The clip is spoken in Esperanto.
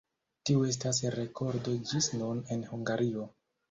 Tiu estas rekordo ĝis nun en Hungario.